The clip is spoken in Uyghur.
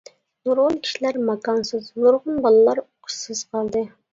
نۇرغۇن كىشىلەر ماكانسىز، نۇرغۇن بالىلار ئوقۇشسىز قالدى.